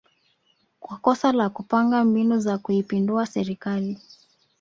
kwa kosa la kupanga mbinu za kuipindua serikali